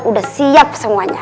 udah siap semuanya